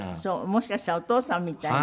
もしかしたらお父さんみたいな。